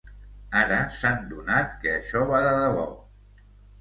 Ara s’han donat que això va de debò.